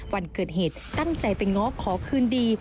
วันเกิดเหตุตั้งใจไปง้อขอคืนดี